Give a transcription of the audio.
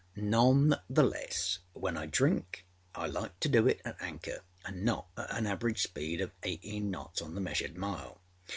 None the less, when I drink I like to do it at anchor anâ not at an average speed of eighteen knots on the measured mile.